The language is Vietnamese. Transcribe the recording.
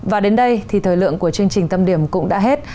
và đến đây thì thời lượng của chương trình tâm điểm cũng đã hết